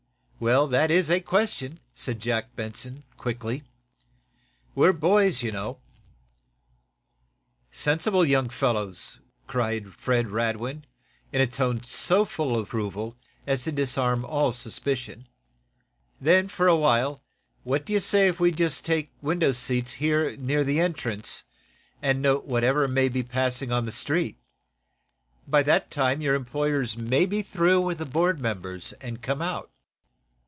"Well, that is a question," said Jack Benson quickly. "We're boys, you know!" "Sensible young fellows," cried Fred Radwin, in a tone so full of approval as to disarm all suspicion. "Then, for a while, what do you say if we take window seats here near the entrance, and note whatever may be passing on the street? By that time your employers may be through with the board members and come out."